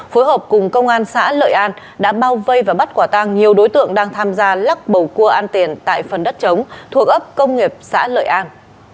phối hợp cùng công an xã lợi an đã bao vây và bắt quả tang nhiều đối tượng đang tham gia lắc bầu cua ăn tiền tại phần đất chống thuộc ấp công nghiệp xã lợi an